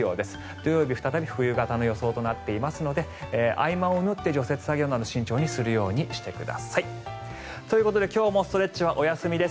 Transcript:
土曜日、再び冬型の予想となっていますので合間を縫って除雪作業など慎重にするようにしてください。ということで今日もストレッチはお休みです。